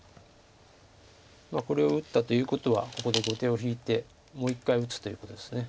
これを打ったということはここで後手を引いてもう一回打つということです。